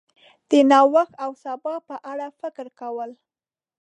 د نوښت او سبا په اړه فکر کول